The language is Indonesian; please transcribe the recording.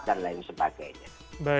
dan lain sebagainya